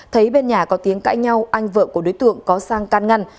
thấy bên nhà có tiếng cãi nhau anh vợ của đối tượng có sang can ngăn